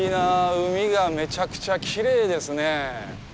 海がめちゃくちゃきれいですねえ。